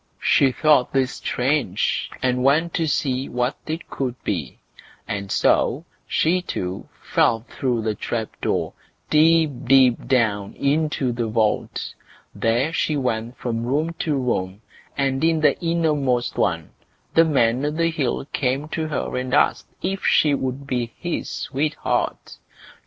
She thought this strange, and went to see what it could be; and so she too fell through the trap door, deep, deep down, into the vault. There she went from room to room, and in the innermost one the Man o' the Hill came to her and asked if she would be his sweetheart?